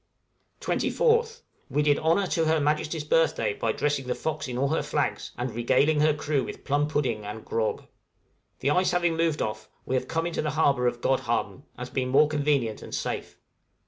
{INTERCHANGE OF PRESENTS.} 24th. We did honor to Her Majesty's birthday by dressing the 'Fox' in all her flags, and regaling her crew with plum pudding and grog. The ice having moved off, we have come into the harbor of Godhavn, as being more convenient and safe.